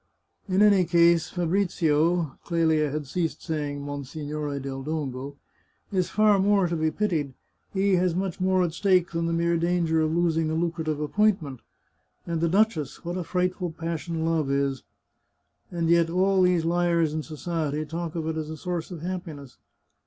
... In any case, Fabrizio " (Clelia had ceased saying Monsignore del Dongo) " is far more to be pitied. ... He has much more at stake than the mere danger of losing a lucrative appointment. And the duchess! ... What a frightful passion love is ! And yet all these liars in society talk of it as a source of happiness.